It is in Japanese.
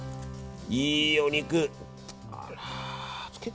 いいお肉！